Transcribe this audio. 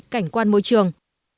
cảnh quan môi trường